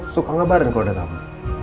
suka ngabarin kalau ada kabar